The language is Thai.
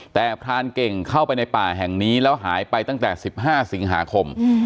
แต่พรานเก่งเข้าไปในป่าแห่งนี้แล้วหายไปตั้งแต่๑๕สิงหาคม